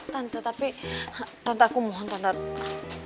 tante tapi aku mohon tante